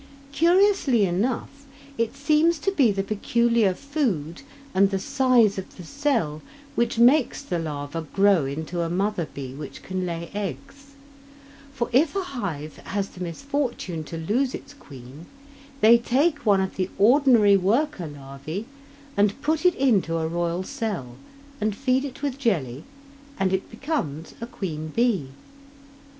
Curiously enough, it seems to be the peculiar food and the size of the cell which makes the larva grow into a mother bee which can lay eggs, for if a hive has the misfortune to lose its queen, they take one of the ordinary worker larvae and put it into a royal cell and feed it with jelly, and it becomes a queen bee.